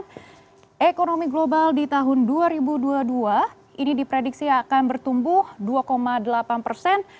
dan ekonomi global di tahun dua ribu dua puluh dua ini diprediksi akan bertumbuh dua delapan persen